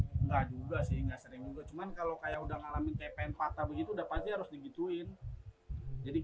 tidak juga sih tidak sering